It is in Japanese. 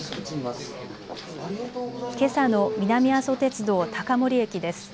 けさの南阿蘇鉄道、高森駅です。